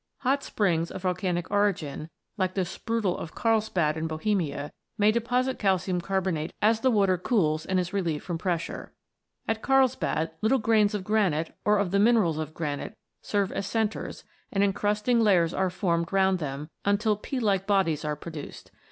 Hot springs of volcanic origin, like the Sprudel of Karlsbad in Bohemia, may deposit calcium carbonate as the water cools and n] THE LIMESTONES 15 is relieved from pressure. At Karlsbad, little grains of granite, or of the minerals of granite, serve as centres, and encrusting layers are formed round them, until pea like bodies are produced.